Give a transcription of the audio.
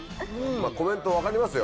コメント分かりますよ。